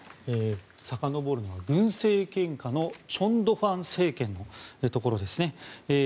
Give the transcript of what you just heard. さかのぼるのは、軍政権下の全斗煥政権のところですね。